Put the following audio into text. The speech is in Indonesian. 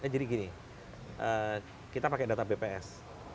jadi gini kita pakai data bps